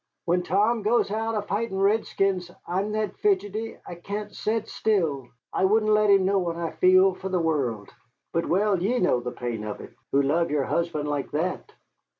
When Tom goes out a fightin' redskins I'm that fidgety I can't set still. I wouldn't let him know what I feel fer the world. But well ye know the pain of it, who love yere husband like that."